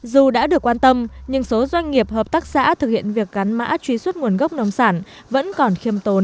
dù đã được quan tâm nhưng số doanh nghiệp hợp tác xã thực hiện việc gắn mã truy xuất nguồn gốc nông sản vẫn còn khiêm tốn